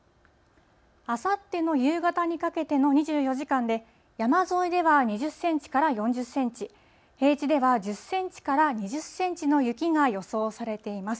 あさっての夕方にかけての２４時間で、山沿いでは２０センチから４０センチ、平地では１０センチから２０センチの雪が予想されています。